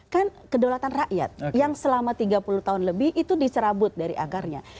kan kedaulatan rakyat yang selama tiga puluh tahun lebih itu dicerabut dari akarnya